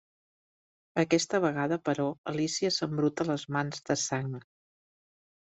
Aquesta vegada, però, Alícia s'embruta les mans de sang.